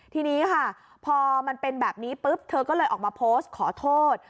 ทีนี้ค่ะพอมันเป็นแบบนี้ปุ๊บเธอก็เลยออกมาโพสต์ขอโทษ